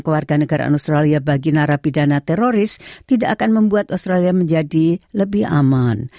keluarga negara australia bagi narapidana teroris tidak akan membuat australia menjadi lebih aman